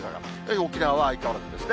沖縄は相変わらずですね。